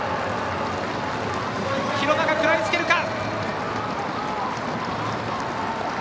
廣中、食らいつけるか。